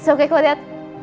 gak apa apa kalau liat